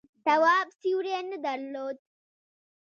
تواب سیوری نه درلود.